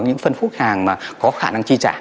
những phân khúc hàng mà có khả năng chi trả